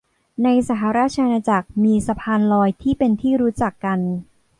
ในสหราชอาณาจักรมีสะพานลอยที่เป็นที่รู้จักกัน